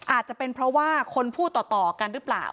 อาจจะเป็นเพราะว่าคนพูดต่อกันหรือเปล่า